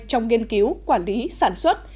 trong nghiên cứu quản lý sản xuất